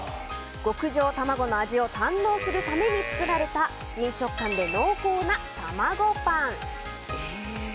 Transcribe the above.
極上卵の味を堪能するために作られた新食感で濃厚な、たまごパン。